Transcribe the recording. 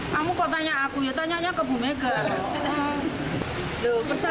kamu kok tanya aku ya tanyanya ke bu mega